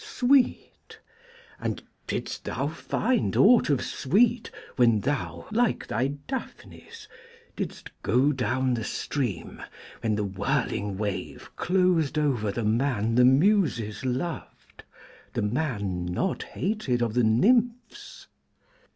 'Sweet,' and didst thou find aught of sweet, when thou, like thy Daphnis, didst 'go down the stream, when the whirling wave closed over the man the Muses loved, the man not hated of the Nymphs?'